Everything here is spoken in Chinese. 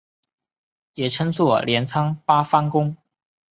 也称作镰仓八幡宫。